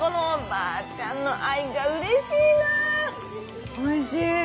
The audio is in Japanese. おいしい。